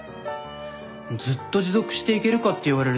ずっと持続していけるかって言われると。